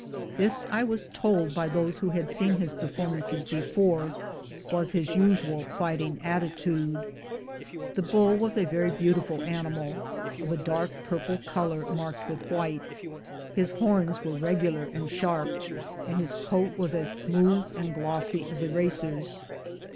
This, I was told by those who had seen his performances before, was his usual fighting attitude. The bull was a very beautiful animal, of a dark purple color marked with white. His horns were regular and sharp, and his coat was as smooth and glossy as a racer's.